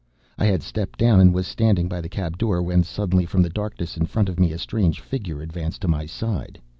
I had stepped down and was standing by the cab door when suddenly, from the darkness in front of me, a strange figure advanced to my side.